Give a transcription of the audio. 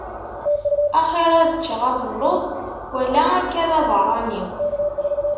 Axir ad ččeɣ abelluḍ wala akka d abeṛṛani.